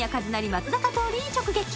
松坂桃李に直撃！